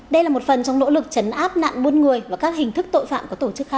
đây là một phần trong nỗ lực chấn áp nạn buôn người và các hình thức tội phạm có tổ chức khác